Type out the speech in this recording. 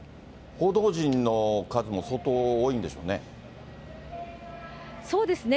報道陣の数も相当多いんでしょうね。